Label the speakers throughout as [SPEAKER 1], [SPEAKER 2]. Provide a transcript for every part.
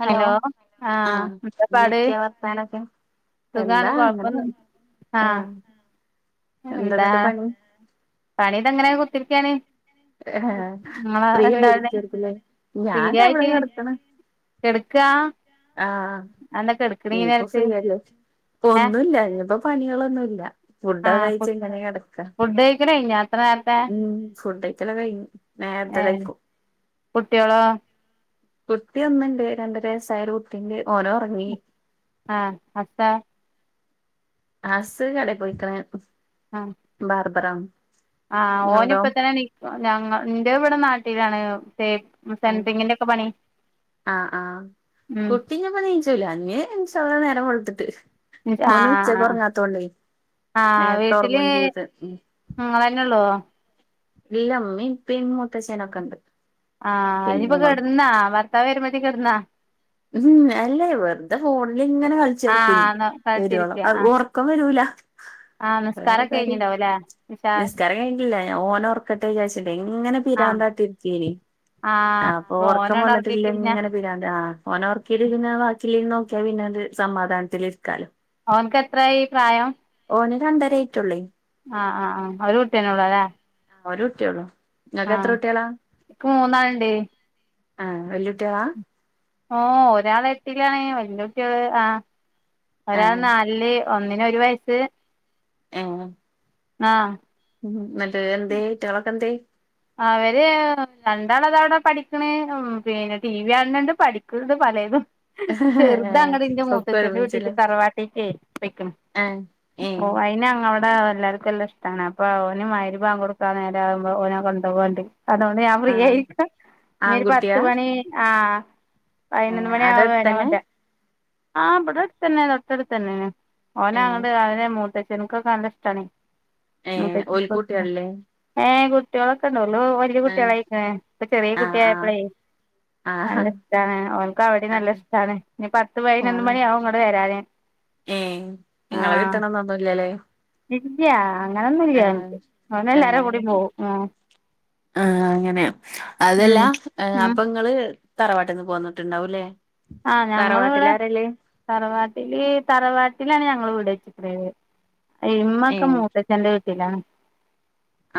[SPEAKER 1] Hello ആഹ്
[SPEAKER 2] എന്താ പാട്
[SPEAKER 1] ഇന്തെക്യാ വർത്താനൊക്കെ
[SPEAKER 2] സുഖാണ്
[SPEAKER 1] എന്താ ഇങ്ങനെ
[SPEAKER 2] കൊഴപ്പൊന്നും
[SPEAKER 1] പോണു ആഹ് എന്താന്ന്ട്ട് പണി
[SPEAKER 2] പണി ഇതങ്ങനെ കുത്തിര്ക്യാണ് ഉം
[SPEAKER 1] ഏഹ്
[SPEAKER 2] ഇങ്ങളെ
[SPEAKER 1] ഫ്രീ
[SPEAKER 2] രണ്ടാളിം
[SPEAKER 1] ആയിരിക്കായിരിക്കുല്ലേ ഞാൻതാ ഇവിടെ
[SPEAKER 2] ഫ്രീയായിട്ട്
[SPEAKER 1] കെടക്കണ്
[SPEAKER 2] കെട്ക്കാ
[SPEAKER 1] ആഹ് ഇനിപ്പാെ ഫ്രീയല്ലേ ഇപ്പൊ
[SPEAKER 2] ഏഹ്
[SPEAKER 1] ഒന്നുല്ല ഇഞ്ഞ്പ്പാെ പണികളൊന്നുല്ല ഫുഡ് ഒക്കെ കയിച്ച് ഇങ്ങനെ കെടക്കാ
[SPEAKER 2] ഇങ്ങനെ കെയ്ഞ്ഞാൽ
[SPEAKER 1] ഉം ഫുഡൈക്കലൊക്കെ കെയ്ഞ്ഞു
[SPEAKER 2] ഏഹ് കുട്ടിയോളോ
[SPEAKER 1] കുട്ടി ഒന്ന്ണ്ട് രണ്ടര വസ്സായാ ഒര്കുട്ടിണ്ട് ഓനാെറങ്ങി
[SPEAKER 2] ആഹ് അട്ത്താളെ
[SPEAKER 1] അസ്സ് കടേപൊയ്ക്ക്ണ്
[SPEAKER 2] ആഹ്
[SPEAKER 1] ഉം ബാർബറാണ്
[SPEAKER 2] ആഹ്
[SPEAKER 1] നിങ്ങളതോ
[SPEAKER 2] ഓന്ഇപ്പതന്നെ നീക്കൊ ഞങ്ങ ഇന്റത് ഇവ്ടെ നാട്ടിലാണ് തേപ്പ് ഉം
[SPEAKER 1] ആഹ്
[SPEAKER 2] സെൻട്രിങ്ങിന്റെക്കെ പണി ഉം
[SPEAKER 1] തിഞ്ഞ്പ്പാെ നീച്ചൂല അഞ്ഞ് ഇൻഷാ അള്ളാ നേരംവെള്ത്ത്ട്ട് ഓന് ഉച്ചക്ക്
[SPEAKER 2] ആഹ്
[SPEAKER 1] ഒറങ്ങാത്തോണ്ടേ നേര്ത്തെ ഒറങ്ങും ചെയ്ത് ഉം
[SPEAKER 2] ഉം ഇങ്ങളെന്നെള്ളാേ
[SPEAKER 1] ഇല്ല ഇമ്മിം ഇപ്പിംമൂത്തച്ചനൊക്കെ ഇണ്ട്
[SPEAKER 2] ആഹ് ഐന്പ്പ കെട്ന്നാ ഭർത്താവ് വെരുമ്പത്തിന് കെട്ന്നാ
[SPEAKER 1] ഉം അല്ലേ വെറ്തെ ഫോണ്ല് ഇങ്ങനെ കൾച്ചർക്കുഞ്ഞ്
[SPEAKER 2] ആഹ്
[SPEAKER 1] വെരാേളം
[SPEAKER 2] കളിച്ചിരിക്ക
[SPEAKER 1] അത്
[SPEAKER 2] ആഹ്
[SPEAKER 1] ഒറക്കം വെരൂല
[SPEAKER 2] ആഹ്
[SPEAKER 1] വേറെ
[SPEAKER 2] നിസ്കാരൊക്കെ
[SPEAKER 1] കാര്യം
[SPEAKER 2] കഴിഞ്ഞിണ്ടാവുംല്ലേ ഇശാ
[SPEAKER 1] നിസ്കാരം കെയ്ഞ്ഞ്ട്ടില്ല ഞാ ഓനാെർക്കട്ടെ വിചാര്ച് ഇന്ന്ട്ടെ ഇങ്ങനെ
[SPEAKER 2] ആഹ്
[SPEAKER 1] പിരാന്താട്ടി ഇര്ക്കേന്
[SPEAKER 2] ആഹ്
[SPEAKER 1] അപ്പൊ ഒറക്കം
[SPEAKER 2] ഓനണ്ട് ഒറക്കി കഴിഞ്ഞ
[SPEAKER 1] വന്ന്ട്ടില്ലങ്ങനെ പിരാന്താ ആഹ് ഓനെ ഒർക്കീല് പിന്നെ വാക്കില്ലൈന് നോക്കിയാ പിന്നത് സമാധാൻത്തില് ഇരിക്കാലോ
[SPEAKER 2] അവൻക്ക് എത്രായി പ്രായം
[SPEAKER 1] ഓന് രണ്ടരൈറ്റൊള്ളേ
[SPEAKER 2] ആഹ് ആഹ് ആഹ് അവരുട്ടി എന്നെ ഒള്ളല്ലേ
[SPEAKER 1] ഒരുട്ടിയാെള്ളു
[SPEAKER 2] ആ ഇക്ക് മൂന്നാള്ണ്ടേ
[SPEAKER 1] ആഹ് വെല്ലൂട്ട്യോളാ
[SPEAKER 2] ഓ ഒരാള് എട്ടിലാണ് വല്യ കുട്ട്യേള് ആഹ്
[SPEAKER 1] ആ
[SPEAKER 2] ഒരാള് നാൽല് ഒന്നിന് ഒര് വയസ്സ്
[SPEAKER 1] എങ്ങ്
[SPEAKER 2] നാം
[SPEAKER 1] ഉം മറ്റോര് എന്തേ റ്റങ്ങളെക്കെ എന്തേ
[SPEAKER 2] അവര് രണ്ടാളതാ അവ്ടെ പഠിക്ക്ണ് ഉം പിന്നെ ടി വി യാണ് ണ്ട് പഠിക്ക്ണ്ട് പലേതും [unintelligible] ചെറ്ത് അങ്ങട് ഇന്റെ
[SPEAKER 1] ഒക്കെ
[SPEAKER 2] മൂത്തച്ഛന്റെ വീട്ടീക്ക്
[SPEAKER 1] ഒരുമിച്ചില്ലേ
[SPEAKER 2] തറവാട്ടീക്ക് പൈക്ക്ണ്
[SPEAKER 1] ഏഹ്
[SPEAKER 2] ഓ
[SPEAKER 1] ഏഹ്
[SPEAKER 2] ഐന് അങ്ങവടെ വെല്ലാർ കെല്ല ഇഷ്ടാണ് അപ്പൊ ഓന് മഗ്‌രിബ് വാങ്കാെട്ക്കാ നേരാവുമ്പാെ ഓനെ കൊണ്ടാേവും അണ്ട് അതാേണ്ട്
[SPEAKER 1] ആഹ്
[SPEAKER 2] ഞാംഫ്രീയായിരിക്ക
[SPEAKER 1] ആൺകുട്ടിയാ
[SPEAKER 2] ഇഞ്ഞാെര്പത്ത്മണി ആഹ് പയ്നൊന്ന്
[SPEAKER 1] ഏഹ് അവിടെ
[SPEAKER 2] മണിയാവും ഐന
[SPEAKER 1] അടുത്തന്നെ
[SPEAKER 2] കൊൻരാൻ ആഹ് ഇപടെ അട്തന്നെ തൊട്ടട്ത്തെന്നേണ് ഓനെ
[SPEAKER 1] ഏഹ്
[SPEAKER 2] അങ്ങട് അവനെ മൂത്തച്ചൻകാെക്കെ നല്ല ഇഷ്ടാണേ
[SPEAKER 1] ഏഹ് ഓൽക്ക്
[SPEAKER 2] മൂത്തച്ചിക്കൊക്കേയ്
[SPEAKER 1] കുട്ടികളില്ലേ
[SPEAKER 2] ഏഹ് കുട്ട്യോളെക്കെ ഉണ്ടള്ളു വല്യ
[SPEAKER 1] ഏഹ്
[SPEAKER 2] കുട്ട്യേളയ്ക്ക്ണ് ഇപ്പ ചെറിയ
[SPEAKER 1] ആഹ് ആഹ്
[SPEAKER 2] കുട്ടിയായപ്പളേ
[SPEAKER 1] ആഹ്
[SPEAKER 2] നല്ല ഇഷ്ടാണ് ഓൽക്ക് അവടീം നല്ല
[SPEAKER 1] ആഹ്
[SPEAKER 2] ഇഷ്ടാണ് ഇനി പത്ത് പൈനൊന്ന്
[SPEAKER 1] ആഹ്
[SPEAKER 2] മണിയാവും ഇങ്ങട് വെരാന്
[SPEAKER 1] ഏഹ് ഇങ്ങളെ കിട്ടണന്നൊന്നുല്ലലേ
[SPEAKER 2] ഇല്യ അങ്ങനൊന്നുല്യ അവൻക്ക് അവന് എല്ലാരെകൂടിം
[SPEAKER 1] ഏഹ്
[SPEAKER 2] പോകും ഉം
[SPEAKER 1] ആഹ് അങ്ങനെ
[SPEAKER 2] ഉം
[SPEAKER 1] അതെല്ലാ
[SPEAKER 2] ഉം
[SPEAKER 1] അപ്പങ്ങള് തറവാട്ട്ന്ന് പോന്ന്ട്ട്ണ്ടാവുംല്ലേ
[SPEAKER 2] ആഹ് ഞങ്ങളിവിടെ
[SPEAKER 1] തറവാട്ടിലാരാ ഉള്ളെ
[SPEAKER 2] തറവാട്ടില് തറവാട്ടിലാണ് ഞങ്ങള് വീട് വച്ചിരിക്കുന്നത് ഇമ്മക്കെ
[SPEAKER 1] ഏഹ്
[SPEAKER 2] മൂത്തച്ഛന്റെ വീട്ടിലാണ്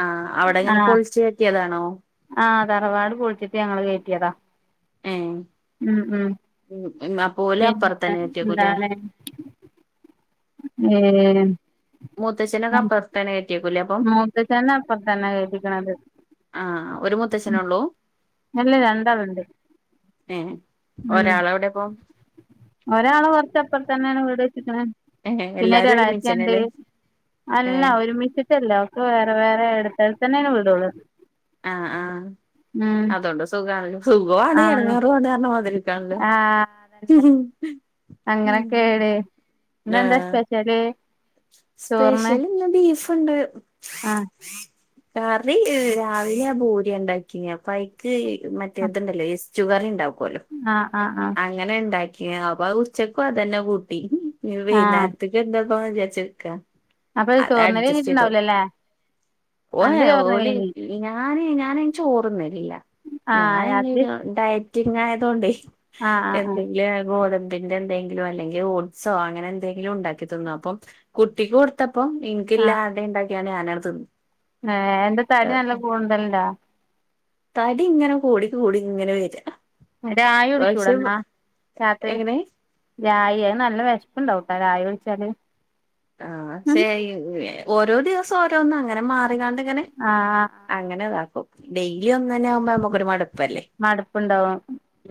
[SPEAKER 1] ആഹ് അവിടെ ഇങ്ങനെ
[SPEAKER 2] ആഹ്
[SPEAKER 1] പൊളിച്ചു കെട്ടിയതാണോ
[SPEAKER 2] ആഹ് തറവാട് പൊളിച്ചിട്ട് ഞങ്ങള് കെട്ടിയതാ
[SPEAKER 1] ഏഹ്
[SPEAKER 2] ഉം ഉം
[SPEAKER 1] ഉം എന്ന-
[SPEAKER 2] പിന്ന എന്താല ഏ [unintelligible]
[SPEAKER 1] മൂത്തച്ഛനെയൊക്കെ അപ്പറത്ത് തന്നെ കേറ്റിയക്കൂ അപ്പൊ-
[SPEAKER 2] മൂത്തച്ചനെ അപ്പറത് തന്നെയാ കെറ്റിയേക്കണത്
[SPEAKER 1] ആഹ് ഒരു മുത്തച്ചനെ ഉള്ളൂ
[SPEAKER 2] അല്ല രണ്ടെണ്ണം ഇണ്ട്
[SPEAKER 1] ഏയ് ഒരാള് എവിടെയാ അപ്പൊ
[SPEAKER 2] ഒരാള് കൊറച്ച് അപ്പറത്ത് തന്നെയാണ് വീട് വെച്ചിരിക്കണേ
[SPEAKER 1] ഏഹ്
[SPEAKER 2] പിന്നെ ഒരു
[SPEAKER 1] എല്ലാരും
[SPEAKER 2] ഇളയച്ഛൻ ഉണ്ട്
[SPEAKER 1] ഒരുമിച്ചന്നെല്ലേ
[SPEAKER 2] അല്ല
[SPEAKER 1] ഏഹ്
[SPEAKER 2] ഒരുമിച്ച് - ഒരുമിച്ചല്ല ഒക്കെ വേറെ വേറെ എടുത്തടുത്ത് തന്നെയാണ് വീട് ഉള്ളത്
[SPEAKER 1] ആഹ് ആഹ് അതുകൊണ്ട് സുഖ സുഖുംമാണ്
[SPEAKER 2] ആഹ്
[SPEAKER 1] എടങ്ങയറും കഞ്ഞ മാതിക്കാ [unintelligible] ണ് ല്ല [unintelligible]
[SPEAKER 2] അങ്ങനൊക്കെ ഇന്ന് എന്താ സ്പെഷ്യല് ചോറിന്
[SPEAKER 1] സ്പെഷ്യല് ഇന്ന് ബീഫുണ്ട്
[SPEAKER 2] ആഹ്
[SPEAKER 1] കറി രാവിലെ ആ പൂരി ഉണ്ടാക്കി അപ്പൊ അയ്ക്ക് മറ്റേതുണ്ടല്ലോ ഷുഗർ ഇണ്ടാവാക്കുമല്ലോ
[SPEAKER 2] ആഹ് ആഹ് ആഹ്
[SPEAKER 1] അങ്ങനെ ഇണ്ടാക്കിയ അപ്പൊ ഉച്ചക്കും അത് തന്നെ കൂട്ടി -ഇനി
[SPEAKER 2] ആഹ്
[SPEAKER 1] വൈകുന്നേരത്ത് എന്താ ഉണ്ടാക്കണോന്ന് വിചാരിച്ച് നിക്ക്‌വ
[SPEAKER 2] അപ്പൊ
[SPEAKER 1] അതാ
[SPEAKER 2] ചോറിന്നല്
[SPEAKER 1] അഡ്ജസ്റ്റ് ചെയ്തോ
[SPEAKER 2] കഴിഞ്ഞിട്ടുണ്ടാവൂലല്ലേ
[SPEAKER 1] ഓവേ
[SPEAKER 2] അന്റെ ചോറിന്നല്
[SPEAKER 1] ഓന്
[SPEAKER 2] കഴിഞ്ഞ്
[SPEAKER 1] - ഞാന് ഞാന് ഇന്ന് ചോറ് തിന്നിട്ടില്ല
[SPEAKER 2] ആഹ്
[SPEAKER 1] ഞാന്
[SPEAKER 2] രാത്രി
[SPEAKER 1] ഇങ്ങനെ ഡയറ്റിങ് ആയതൊകൊണ്ടേ
[SPEAKER 2] ആഹ് ആഹ് ആഹ്
[SPEAKER 1] എന്തെിങ്കിലും ഗോ [unintelligible] പിന്നെ എന്തെങ്കിലും അല്ലെങ്കിൽ ഓട്സോ അങ്ങനെ എന്തെങ്കിലും ഉണ്ടാക്കി തിന്നും അപ്പം കുട്ടി- കൊടുത്തപ്പോ ഇല്ല അട ഉണ്ടാക്കിയാണ് ഞാന് അങ്ങട് തിന്ന്
[SPEAKER 2] ഏ എന്റെ തരി നല്ല കൂടുതല [unintelligible] ല്ലാ
[SPEAKER 1] തടി ഇങ്ങനെ കൂടി കൂടി ഇങ്ങനെ വര്ക
[SPEAKER 2] ന്റെരാ [unintelligible] യി ടിച്ചൂടന്നാ രാത്രി
[SPEAKER 1] എങ്ങനെ
[SPEAKER 2] രാവിലെ നല്ല വിശപ്പ് ഉണ്ടാവും കേട്ടോ രാവിലെ കുടിച്ചാല്
[SPEAKER 1] ആഹ് ശെ ഓരോ ദിവസം ഓരോന്നങ്ങനെ മാറിക്കാണ്ട്
[SPEAKER 2] ആഹ്
[SPEAKER 1] അങ്ങനെതാക്കും ഡെയിലി ഒന്ന് തന്നെ ആകുമ്പേ നമുക്കൊരു മടുപ്പല്ലേ
[SPEAKER 2] മടുപ്പുണ്ടാവും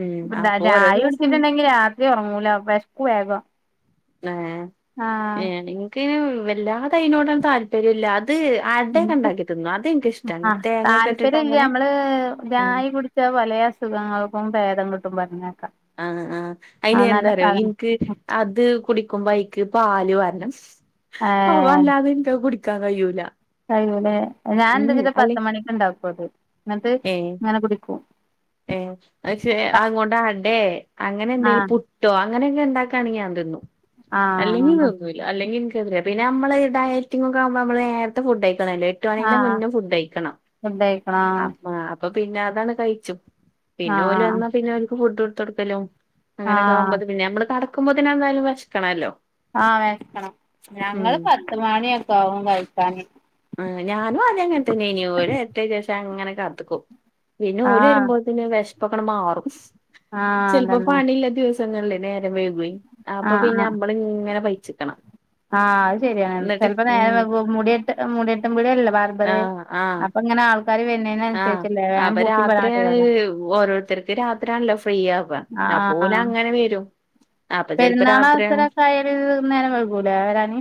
[SPEAKER 1] ഉം അപ്പൊ
[SPEAKER 2] രാ [unintelligible]
[SPEAKER 1] ഓരോ
[SPEAKER 2] യി
[SPEAKER 1] ദിവസം
[SPEAKER 2] കുടിച്ചിട്ടുണ്ടെങ്കി രാത്രി ഉറങ്ങൂല വെശ്ക്കു വേഗം
[SPEAKER 1] ഏ
[SPEAKER 2] ആഹ്
[SPEAKER 1] ഏ നിക്ക് വല്ലാതെ അതിനോട് ഒന്നും താല്പര്യം ഇല്ല അത് അടയൊക്കെ ഉണ്ടാക്കി തിന്നും അതെനിക്ക്‌ ഇഷ്ടണ്
[SPEAKER 2] ആഹ്
[SPEAKER 1] തേങ്ങക്കെയിട്ടിട്ട്
[SPEAKER 2] താല്പര്യം ഇല്ല
[SPEAKER 1] അങ്ങനെ
[SPEAKER 2] നമ്മള്
[SPEAKER 1] ആ-
[SPEAKER 2] രായി കുടിച്ചാ പല അസുഖങ്ങൾക്കും ഭേദം കിട്ടും പറഞ്ഞേക്കാം
[SPEAKER 1] ആഹ് ആഹ് അയിന്
[SPEAKER 2] ആഹ് നല്ല
[SPEAKER 1] എന്താറിയോ
[SPEAKER 2] സാധ
[SPEAKER 1] ഇൻക്ക് അത് കുടിക്കുമ്പോ എനക്ക് പാല് വെണം അ
[SPEAKER 2] ഏഹ്
[SPEAKER 1] അല്ലാതെ എനിക്ക് അത് കുടി- ക്കാൻ കഴിയൂല
[SPEAKER 2] കഴൂലെ ഞാൻ
[SPEAKER 1] ഉം
[SPEAKER 2] എന്താവെച്ചാ
[SPEAKER 1] അല്ലെ
[SPEAKER 2] പത്ത് മണിക്ക് ഉണ്ടാക്കും അത് എന്നിട്ട് ഇങ്ങനെ കുടിക്കും
[SPEAKER 1] ഏ പക്ഷെ അങ്ങോട്ട് അടെ അങ്ങനെ എന്തെലും
[SPEAKER 2] ആഹ്
[SPEAKER 1] പു- ട്ടോ അങ്ങനെയൊക്കെ ഉണ്ടാക്കാണെങ്കി ഞാൻ തിന്നും അല്ലെങ്കിൽ
[SPEAKER 2] ആഹ്
[SPEAKER 1] [unintelligible] അല്ലെങ്കി എക്ക്തില്ല പിന്നെ നമ്മള് ഡയറ്റിങ്ങക്കെ ആകുമ്പോ നമ്മള് നേരത്തെ ഫുഡ് കഴിക്കണമല്ലേ എട്ട് മണിന്റെ
[SPEAKER 2] ആഹ്
[SPEAKER 1] മുന്നെ ഫുഡ് കഴിക്കണം
[SPEAKER 2] ഫുഡ് കഴിക്കണോ
[SPEAKER 1] അ അപ്പൊ പിന്നെ അതാണ് കഴിച്ചു പിന്നെ ഓല്
[SPEAKER 2] ആഹ്
[SPEAKER 1] വന്നാ പിന്നെ അവക്ക് ഫുഡ് എടുത്ത് കൊടുക്കലും അങ്ങനെയൊക്കെ
[SPEAKER 2] ആഹ്
[SPEAKER 1] ആവുമ്പ പിന്നെ നമ്മള് തട- ക്കുമ്പോെതന്നെ എന്തായാലും വെ ശക്കണല്ലോ
[SPEAKER 2] ആഹ് വെശക്കണം ഞങ്ങള് പത്ത് മണിയൊക്കെ ആകും കഴിക്കാന്
[SPEAKER 1] ആഹ് ഞാനും അതങ്ങനെ തന്നെനു ഓര് എത്തീയ ശേഷം അങ്ങനെ കാത്ത്ക്കും പിന്നെ ഓല്
[SPEAKER 2] ആഹ്
[SPEAKER 1] വരുമ്പോ പിന്നെ വിശപ്പക്കണമാറും
[SPEAKER 2] ആഹ്
[SPEAKER 1] ചിലപ്പോ
[SPEAKER 2] അതന്നെ
[SPEAKER 1] പണില്ല ദിവ സങ്ങളിലെ നേരം വൈകുവേ അപ്പൊ
[SPEAKER 2] ആഹ്
[SPEAKER 1] പിന്നെ
[SPEAKER 2] ആഹ്
[SPEAKER 1] നമ്മള് ഇങ്ങനെ പൈച്ചിക്കണം
[SPEAKER 2] ആഹ് അത് ശെരിയാണ് ചിലപ്പോ നേരം വെളുക്കുമ്പോ മുടിവെട്ട് മുടിവെട്ടുംമ്പോഴല്ല ബാർ പറയ്
[SPEAKER 1] ആഹ് ആഹ്
[SPEAKER 2] അപ്പൊ ഇങ്ങനെ ആൾക്കാര് വരനേന്ന്
[SPEAKER 1] ആഹ് അപ്പൊ രാത്രിയത് ഓരോരുത്തർക്ക് രാത്രിയാണല്ലോ ഫ്രീയാവ അപ്പോല്
[SPEAKER 2] ആഹ്
[SPEAKER 1] അങ്ങനെ വരും അപ്പൊ ചെലപ്പോ
[SPEAKER 2] പെരുന്നാള്
[SPEAKER 1] രാത്രിയാണ്
[SPEAKER 2] അവസരക്കായാല് നേരം വൈകൂലേ വരാന്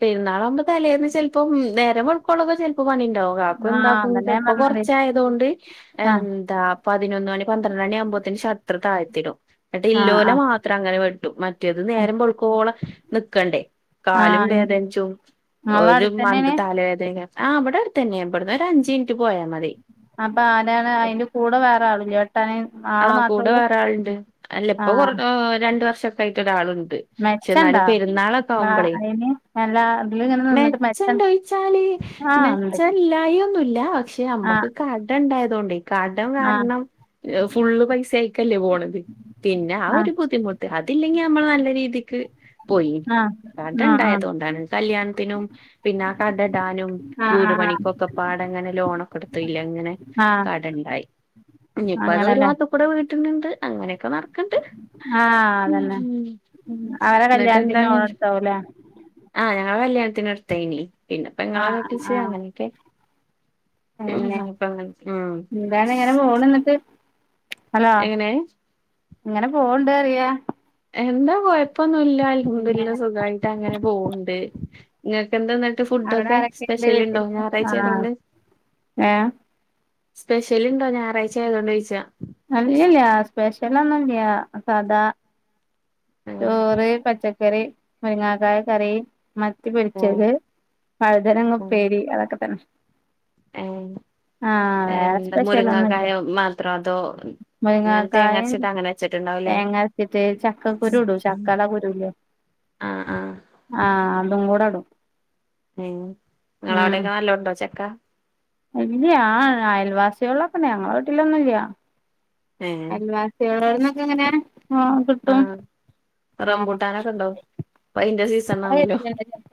[SPEAKER 1] പെരുന്നാളാവുമ്പൊ തലേന്ന് ചിലപ്പോം നേരം വെളുക്കോളം ചിലപ്പോ പണി ഉണ്ടാവും കാക്കു
[SPEAKER 2] ആഹ്
[SPEAKER 1] എന്താക്കും
[SPEAKER 2] അതന്നെ ഞാൻ
[SPEAKER 1] ചെലപ്പോ കൊറ
[SPEAKER 2] പറഞ്ഞത്
[SPEAKER 1] ഉച്ചയായതുകൊണ്ട്
[SPEAKER 2] ആഹ്
[SPEAKER 1] എന്താ പതിനൊന്ന് മണി പന്ത്രണ്ട് മണി ആവുംമ്പോത്തിന് ഷട്ടർ താഴ്ത്തിടും എന്നട്ട്
[SPEAKER 2] ആഹ്
[SPEAKER 1] ഇല്ലോല
[SPEAKER 2] ആഹ്
[SPEAKER 1] മാത്രം അങ്ങനെ വെട്ടും മറ്റേത്
[SPEAKER 2] ആഹ്
[SPEAKER 1] നേരം വെളുക്കോളാം നിക്കണ്ടേ കാലും
[SPEAKER 2] ആഹ്
[SPEAKER 1] വേദനിച്ചും
[SPEAKER 2] ഇങ്ങളെ
[SPEAKER 1] ഒരു മന്ത്
[SPEAKER 2] അടുത്തന്നെയാണ്
[SPEAKER 1] തലവേദന ആഹ് അവടെ അടുത്തുതന്നെയാ ഇവിടന്ന് ഒരു അഞ്ച് മിനിറ്റ് പോയാ മതി
[SPEAKER 2] അപ്പൊ ആരാണ് അയിന്റെ കൂടെ വേറെ ആളില്ലേ വെട്ടാന് ആള്
[SPEAKER 1] ആഹ്
[SPEAKER 2] മാത്രേ
[SPEAKER 1] കൂടെ
[SPEAKER 2] ഉള്ളൂ
[SPEAKER 1] വേറെ ആളുണ്ട് അല്ല ഇപ്പൊ കൊറ
[SPEAKER 2] ആഹ്
[SPEAKER 1] രണ്ടു വർഷംക്കെ ആയിട്ട് ഒരാളുണ്ട് ക്ഷെ ന്നാലും
[SPEAKER 2] മെച്ചണ്ടാ
[SPEAKER 1] പെരുന്നാളൊക്കെ
[SPEAKER 2] വാ
[SPEAKER 1] ആവുമ്പളേ
[SPEAKER 2] അയിന് അല്ല ഇതില് ഇങ്ങനെ നിന്നിട്ട് മെച്ചം
[SPEAKER 1] മെച്ചേണ്ട് ച്ചാല്
[SPEAKER 2] ആഹ് ഉണ്ട്
[SPEAKER 1] മെച്ചവില്ലായിക ഒന്നൂല്ല പക്ഷെ അമ്മക്ക്
[SPEAKER 2] ആഹ്
[SPEAKER 1] കടം ഉണ്ടായതൊണ്ടെ കടം
[SPEAKER 2] ആഹ്
[SPEAKER 1] കാരണം ഫുള്ള് പൈസ അയിക്കല്ലേ പോണത് പിന്നെ ആഹ് ഒരു ബുദ്ധിമുട്ട് അതില്ലെങ്കി നമ്മൾ നല്ല രീതിക്ക് പോയി
[SPEAKER 2] ആഹ്
[SPEAKER 1] കടം
[SPEAKER 2] ആഹ്
[SPEAKER 1] ഉണ്ടായത്
[SPEAKER 2] ആഹ്
[SPEAKER 1] കൊണ്ടാണ് കല്യാണത്തിനും പിന്നെ ആ കടയിടാനും
[SPEAKER 2] ആഹ്
[SPEAKER 1] വീട്
[SPEAKER 2] ആഹ്
[SPEAKER 1] പണിക്കുംക്കെ പാടങ്ങനെ ലോണൊക്കെ എടുത്തില്ലെ ഇങ്ങനെ
[SPEAKER 2] ആഹ് ആഹ്
[SPEAKER 1] കടവുണ്ടായി ഇനിയിപ്പോ അത് ഒരു
[SPEAKER 2] അങ്ങനെല്ലേ
[SPEAKER 1] ഭാഗത്ത് കൂടെ വീട്ടുന്നുണ്ട് അങ്ങനെയൊക്കെ നടക്കണ്ട്
[SPEAKER 2] ആഹ് അതന്നെ
[SPEAKER 1] ഉം ഉം
[SPEAKER 2] അവരെ
[SPEAKER 1] എന്നിട്ട്
[SPEAKER 2] കല്യാണത്തിന്
[SPEAKER 1] എന്താണ്
[SPEAKER 2] ലോൺ എടുത്താവൂല്ലേ
[SPEAKER 1] ആഹ് ഞങ്ങളെ കല്യാണത്തിന്ടുത്തേയിനി പിന്നെ പെങ്ങളെ
[SPEAKER 2] ആഹ്
[SPEAKER 1] കെട്ടിച്ച്
[SPEAKER 2] ആഹ് ആഹ്
[SPEAKER 1] അങ്ങനെയൊക്കെ അപ്പൊ അങ്ങനെ ഉം
[SPEAKER 2] എങ്ങനെ പോണു എന്നിട്ട് ഹലോ
[SPEAKER 1] എങ്ങനെ
[SPEAKER 2] ഇങ്ങനെ പോണണ്ട് അറിയാ
[SPEAKER 1] എന്താ കൊയപ്പൊന്നൂല്ല
[SPEAKER 2] പിന്നെ
[SPEAKER 1] അൽഹംദുലില്ല സുഖായിട്ട് അങ്ങനെ പോവണ്ട് നിങ്ങൾക്ക്ന്താന്നിട്ട്
[SPEAKER 2] അവിടെ
[SPEAKER 1] ഫുഡ്‌ഒക്കെ
[SPEAKER 2] ആരൊക്കെയുണ്ട്
[SPEAKER 1] സ്പെഷ്യല് ഉണ്ടോ
[SPEAKER 2] വീട്ടില് ആഹ്
[SPEAKER 1] ഞായറാഴ്ചയായതോണ്ട്
[SPEAKER 2] ഏഹ്
[SPEAKER 1] സ്പെഷ്യലുണ്ടോ ഞായറാഴ്ച ആയതുകൊണ്ട് ചോയിച്ചയാ
[SPEAKER 2] അല്ലല്ല സ്പെഷ്യല് ഒന്നുല്ല്യ സാദാ
[SPEAKER 1] ആഹ്
[SPEAKER 2] ചോറ് പച്ച കറി മുരുങ്ങക്കായ കറി
[SPEAKER 1] ആഹ്
[SPEAKER 2] മത്തിപൊരിച്ചത്, വഴുതനങ്ങ
[SPEAKER 1] ആഹ്
[SPEAKER 2] ഉപ്പേരി അതൊക്കെ തന്നെ
[SPEAKER 1] ഏഹ്
[SPEAKER 2] ആഹ് വേറെ
[SPEAKER 1] എന്ത്
[SPEAKER 2] സ്പെഷ്യലൊന്നുല്ല
[SPEAKER 1] മുരങ്ങകായ മാത്രോ അതോ അങ്ങനെ
[SPEAKER 2] മുരിങ്ങാക്കായിം
[SPEAKER 1] തേങ്ങരച്ചിട്ട് അങ്ങനെ വെച്ചിട്ടുണ്ടാവുംലെ
[SPEAKER 2] തേങ്ങരച്ചിട്ട് ചക്കക്കുരു ഇടും ചക്കടെ കുരുല്ലേ
[SPEAKER 1] ആഹ് ആഹ്
[SPEAKER 2] ആഹ് അതും കൂടെ ഇടും
[SPEAKER 1] ഉം നിങ്ങള് അവിടൊക്കെ നല്ലോണം ഉണ്ടോ ചക്ക
[SPEAKER 2] ഇല്ല്യ അയൽവാസികോളൊക്കെണ്ട്. ഞങ്ങളെ വീട്ടിലൊന്നുല്ല
[SPEAKER 1] ഏഹ്
[SPEAKER 2] അൽവാസികളോഡ്ന്നൊക്കെ എങ്ങനെ കിട്ടും.
[SPEAKER 1] ആഹ്
[SPEAKER 2] ആഹ്
[SPEAKER 1] റംബൂട്ടാനൊക്കെ ഉണ്ടോ ഇപ്പൊ അതിന്റെ സീസ്
[SPEAKER 2] ഇങ്ങളെ പെരേൽ ഇല്ലേ ചക്ക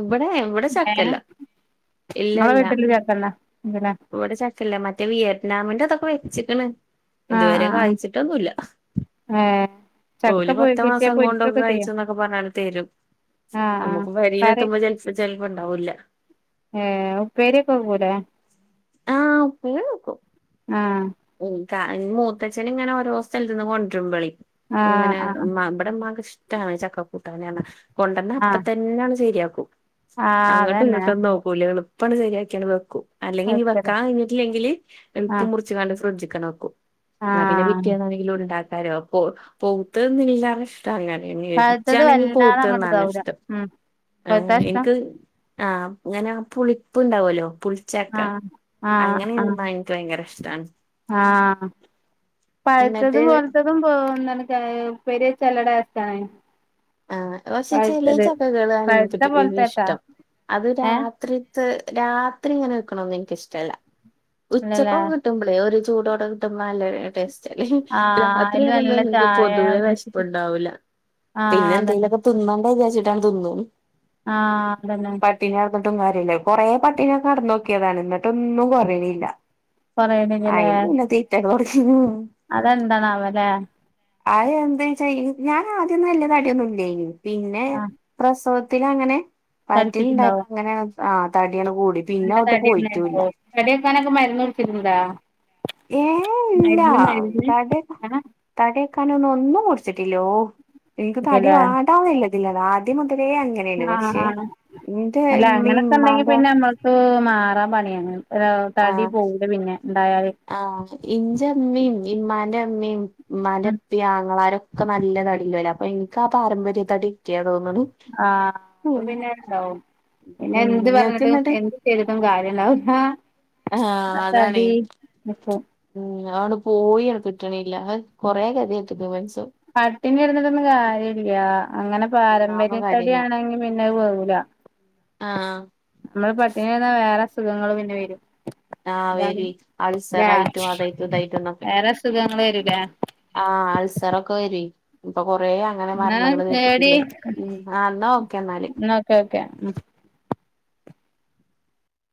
[SPEAKER 1] ഇവിടെ ഇവിടെ
[SPEAKER 2] ഏഹ്
[SPEAKER 1] ചക്കയില്ല
[SPEAKER 2] ഇങ്ങളെ
[SPEAKER 1] ഇല്ലില്ല
[SPEAKER 2] വീട്ടില് ചക്കണ്ടാ ഇണ്ട്ല്ലേ
[SPEAKER 1] ഇവിടെ ച ഇല്ല, മറ്റേ വിയറ്റ്നാമിന്റെ അതൊക്കെ വെച്ചിക്ക്ണ്,
[SPEAKER 2] ആഹ്
[SPEAKER 1] ഇതുവരെ
[SPEAKER 2] ആഹ് ആഹ്
[SPEAKER 1] കഴ്ച്ചിട്ടൊന്നുമില്ല
[SPEAKER 2] ഏഹ് ചക്ക
[SPEAKER 1] ഓല്
[SPEAKER 2] പൊ കിട്ടിയാ
[SPEAKER 1] പത്തുമാസം കൊണ്ടൊക്കെ
[SPEAKER 2] പൊരിക്കൊക്കെ ചെയ്യും
[SPEAKER 1] കായ്ച്ചും എന്നൊക്കെ പറഞ്ഞാണ്ട് തെരും
[SPEAKER 2] ആഹ് ആഹ്
[SPEAKER 1] നമ്മുക്ക് പെരേൽ
[SPEAKER 2] കറി
[SPEAKER 1] എത്തുമ്പോ ചിലപ്പോ ഉണ്ടാവൂല
[SPEAKER 2] ഏഹ് ഉപ്പേരിഒക്കെ വെക്കുംലെ,
[SPEAKER 1] ആഹ്
[SPEAKER 2] ഏഹ്
[SPEAKER 1] ഏഹ് മൂത്തച്ഛന് ഇങ്ങനെ ഓരോ സ്ഥലത്തിന്ന് കൊണ്ടരുമ്പോളെ
[SPEAKER 2] ആഹ്
[SPEAKER 1] ഇങ്ങനെ
[SPEAKER 2] ആഹ്
[SPEAKER 1] ഇമ്മാക്ക് ഇഷ്ട്ടാണ് ചക്ക കൂട്ടാന്ന്ന് പറഞ്ഞ, കൊണ്ട് വന്ന
[SPEAKER 2] ആഹ്
[SPEAKER 1] അപ്പൊതന്നെയങ്ങ് ശരിയാക്കും
[SPEAKER 2] ആഹ്
[SPEAKER 1] അങ്ങോട്ടും
[SPEAKER 2] അതന്നെ
[SPEAKER 1] ഇങ്ങോട്ടൊന്നും നോക്കൂല്ല എളുപ്പങ്ങട് ശരിയാക്കിയങ്ങ് വെക്കും അല്ലെങ്കിൽ
[SPEAKER 2] വെക്കല്
[SPEAKER 1] ക്കാൻകഴഞ്ഞിട്ടില്ലെങ്കില് അപ്പൊ
[SPEAKER 2] ആഹ്
[SPEAKER 1] മുറിച്ച്കാണ്ട് ഫ്രിഡ്ജിങ്ങ് വെക്കും. എന്ന പിന്നെ
[SPEAKER 2] ആഹ്
[SPEAKER 1] പിറ്റേന്നാണെങ്കിലും ഉണ്ടാക്കാലോ പോവ് തന്നില്ലാത്ത ഇ അങ്ങനെണങ്കി,
[SPEAKER 2] പഴുത്തത്
[SPEAKER 1] ഇച്ച്ആണങ്കി
[SPEAKER 2] വല്ലാതെ
[SPEAKER 1] പോത്തത്
[SPEAKER 2] അങ്ങട്ട്
[SPEAKER 1] തിന്നാനാണ്
[SPEAKER 2] ഇതാവൂല
[SPEAKER 1] ഇഷ്ടം.
[SPEAKER 2] ഉം
[SPEAKER 1] ആ
[SPEAKER 2] പഴുത്താ ഇഷ്ടം
[SPEAKER 1] എനിക്ക് ആ അങ്ങനെ പുളിപ്പുണ്ടാവല്ലോ പുളി
[SPEAKER 2] ആഹ് ആഹ്
[SPEAKER 1] അങ്ങനെ
[SPEAKER 2] ആഹ്
[SPEAKER 1] തിന്നാൻ എനിക്ക് ഭയങ്കര ഇഷ്ടാ
[SPEAKER 2] ആഹ് പഴുത്തത്
[SPEAKER 1] എന്നിട്ട്
[SPEAKER 2] പോലത്തെ [unintelligible] ഉപ്പേരി വെച്ചാ നല്ല ടേസ്റ്റാണെ
[SPEAKER 1] ആ പക്ഷെ ചില ചക്കകളാണ്
[SPEAKER 2] പഴുത്ത
[SPEAKER 1] എനിക്ക്
[SPEAKER 2] പോലത്തെട്ടാ
[SPEAKER 1] ഇഷ്ടം അത്
[SPEAKER 2] ഏഹ്
[SPEAKER 1] രാത്രി രാത്രി ഇങ്ങനെ നിക്ക്ണതൊന്നും എനിക്ക് ഇഷ്ടല്ല.
[SPEAKER 2] അല്ലല്ലേ
[SPEAKER 1] ഉച്ചകൊക്കെ കിട്ടുമ്പേ ഒരു ചൂടോടെ കിട്ട്മ്പോ നല്ല ടേസ്റ്റ്
[SPEAKER 2] ആഹ് അയില് നല്ല
[SPEAKER 1] രാത്രിയെന്തായാലും നിക്ക്
[SPEAKER 2] ചായ
[SPEAKER 1] പൊതുവേ
[SPEAKER 2] കുടിച്ചിട്ട്
[SPEAKER 1] വിഷപ്പുണ്ടാവൂല്ല. പിന്നെ
[SPEAKER 2] ആഹ് അതന്നെ
[SPEAKER 1] എന്തേലൊക്കെ തിന്നണ്ടെ വിചാരിച്ചിട്ടങ്ങ്ട് തിന്നും.
[SPEAKER 2] ആഹ് അതന്നെ
[SPEAKER 1] പട്ടിണി കിടന്നിട്ടും കാര്യമല്ല. കൊറെേ പട്ടിണിയൊക്കെ കിടന്ന് നോക്കിയതാണ് എന്നിട്ടൊന്നും കൊറീണില്ല ആ
[SPEAKER 2] കൊറയണില്ലല്ലേ
[SPEAKER 1] ഇല്ല, തീറ്റ ഒക്കെ കൊറച്ചു
[SPEAKER 2] അതെന്താണാവോലെ
[SPEAKER 1] അത് എന്താ വെച്ചാ ഞാൻ ആദ്യന്നും വല്ലാതെ തടിയൊന്നും ഇല്ലായിനി പിന്നെ
[SPEAKER 2] ആഹ്
[SPEAKER 1] പ്രസവത്തിൽ അങ്ങനെ വയറ്റിൽ ഉണ്ടായപ്പോ
[SPEAKER 2] തടിച്ചിട്ടുണ്ടാവും
[SPEAKER 1] അങ്ങനെയങ്ങ് ആ തടിയങ്ങ് കൂടി
[SPEAKER 2] നല്ല
[SPEAKER 1] പിന്നെ അങ്ങട്
[SPEAKER 2] തടി
[SPEAKER 1] പോയിട്ടൂല്ല
[SPEAKER 2] ഉണ്ടായിരുന്നു തടി കുറക്കാനൊക്കെ മരുന്ന് കുടിചുകൂടെ
[SPEAKER 1] ഏ ഇല്ല തടി
[SPEAKER 2] ആഹ്
[SPEAKER 1] തടി വെക്കാനൊന്നും ഒന്നും കുടിച്ചിട്ടില്ല എനിക്ക് തടി
[SPEAKER 2] ഇല്ലല്ലേ
[SPEAKER 1] വേണ്ടന്നുള്ള ഇതിലാണ്, ആദ്യം മുതലേ അങ്ങനെയാണ്
[SPEAKER 2] ആഹ്
[SPEAKER 1] പക്ഷെ
[SPEAKER 2] ആഹ്
[SPEAKER 1] ഇന്റെ
[SPEAKER 2] അല്ല
[SPEAKER 1] ഇമ്മേം,
[SPEAKER 2] അങ്ങനൊക്കെ ഉണ്ടെങ്കി
[SPEAKER 1] ഇമ്മന്റെ
[SPEAKER 2] പിന്നെ നമ്മൾക്ക് മാറാൻ പണിയാണ്, തടി പോവൂല പിന്നെ ഉണ്ടായാൽ
[SPEAKER 1] ആഹ് ഇന്റെ ഇമ്മീമ് ഇമ്മാന്റെ ഇമ്മീമ്
[SPEAKER 2] ഉം
[SPEAKER 1] ഉമ്മാന്റെപ്പിമ് അങ്ങളാരൊക്കെ ഒക്കെ നല്ലതടിഉള്ളോരാ അപ്പൊ എനിക്ക് ആ പാരമ്പര്യതടി കിട്ടിയതാ തോന്നുന്നു.
[SPEAKER 2] ആഹ അപ്പ പിന്നെ ഉണ്ടാവും, പിന്നെ
[SPEAKER 1] ഉം
[SPEAKER 2] എന്ത്
[SPEAKER 1] ഇങ്ങക്ക്
[SPEAKER 2] പറഞ്ഞിട്ടും എന്ത്
[SPEAKER 1] ഇന്നട്ട്
[SPEAKER 2] എന്ത് ചെയ്തിട്ടും കാര്യല്ല ആ തടി നിക്കും
[SPEAKER 1] ഉം അതങ്ങ് പോയി അങ്ങട് കിട്ടിണില്ല, കൊറേ ഗതികെട്ടിക്ക്ണ് മനുഷ്യൻ
[SPEAKER 2] പട്ടിിന ഇടുന്നിട്ടൊന്നും കാര്യ ഇില്ല അങ്ങനെ
[SPEAKER 1] ഒന്നാമ
[SPEAKER 2] പാരമ്പര്യത്തടി
[SPEAKER 1] കാര്യല്ല
[SPEAKER 2] ആണെങ്കി പിന്നെത് പോവല
[SPEAKER 1] ആഹ്
[SPEAKER 2] നമ്മള് പട്ടിണ വരന്ന വേറെ അസുഖങ്ങ പിന്നെ വരും.
[SPEAKER 1] ആഹ്
[SPEAKER 2] അതാണ്
[SPEAKER 1] വരി അൾസറായിട്ടും അതായിട്ടും ഇതായിട്ടും
[SPEAKER 2] വേറെ അസുഖങ്ങ വരല
[SPEAKER 1] ആഹ അൾസറൊക്കെ വര ഇപ്പൊ കൊറ ആ അങ്ങനെ
[SPEAKER 2] എന്നാ
[SPEAKER 1] മരണങ്ങള്ൾ
[SPEAKER 2] എടി
[SPEAKER 1] കട്ടിട്ടില്ലേ ഉ ആ എന്നാ ഓ ക്കെ എന്നാല്
[SPEAKER 2] ക്കെ ഓക്കെ ഉ